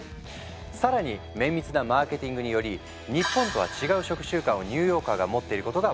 更に綿密なマーケティングにより日本とは違う食習慣をニューヨーカーが持っていることが分かった。